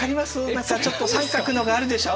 何かちょっと三角のがあるでしょ？